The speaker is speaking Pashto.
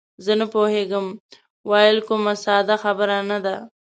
زه نه پوهېږم ویل، کومه ساده خبره نه ده.